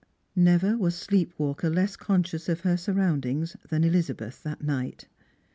Never was sleep walker less conscious of her surroundings than Elizabeth that night.